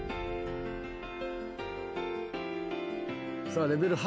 さあレベル８です。